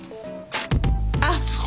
あっ。